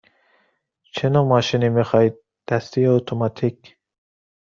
چه نوع ماشینی می خواهید – دستی یا اتوماتیک؟